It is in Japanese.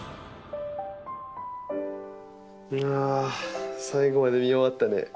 あ最後まで見終わったね。